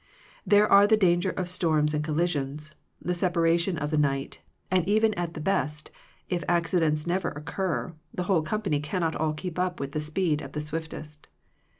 There are the danger of storms and collisions, the separation of the night, and even at the best, if accidents never occur, the whole company cannot all keep up with the speed of the swift est.